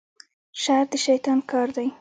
شر د شیطان کار دی